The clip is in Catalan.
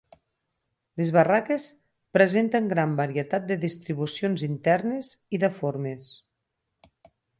Les barraques presenten gran varietat de distribucions internes i de formes.